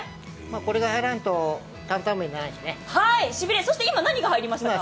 これが入らんと担担麺じゃないしね。